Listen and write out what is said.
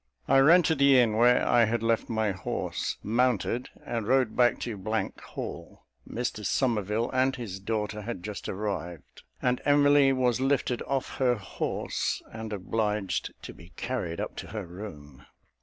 I ran to the inn, where I had left my horse, mounted, and rode back to Hall. Mr Somerville and his daughter had just arrived, and Emily was lifted off her horse, and obliged to be carried up to her room.